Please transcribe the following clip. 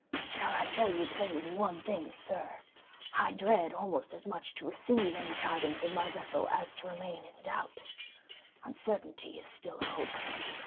"Shall I tell you plainly one thing, sir? I dread almost as much to receive any tidings of my vessel as to remain in doubt. Uncertainty is still hope."